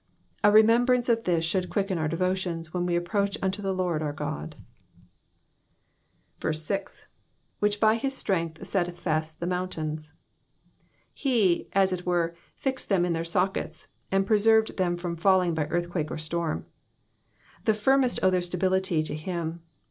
A remembrance of this should quicken our devotions when we approach unto the Lord our God, 6. ^^ Which by hie etrenath eetteth faet the mountaine.'^^ He, as it were, fixed them in their sockets, and preserved them from falling by earthquake or storm. The firmest owe their stability to him.